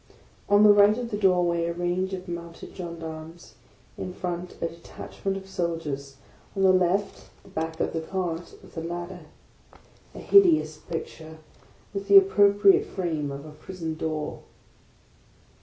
On the right of the doorway, a range of mounted gendarmes; in front, a de tjichment of soldiers; on the left, the back of the cart, with a ladder. A hideous picture, with the appropriate frame of a prison door.